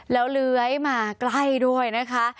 แล้วเลื้อยมาใกล้ด้วยนะคะ